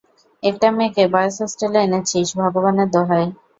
একটা মেয়েকে বয়েজ হোস্টেলে এনেছিস, ভগবানের দোহাই।